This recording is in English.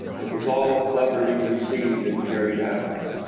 It was all cleverly conceived and carried out.